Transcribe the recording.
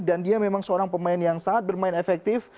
dan dia memang seorang pemain yang sangat bermain efektif